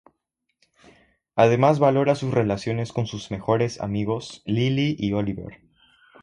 Además valora sus relaciones con sus mejores amigos Lilly y Oliver.